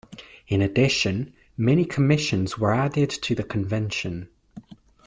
In addition, many commissions were added to the convention.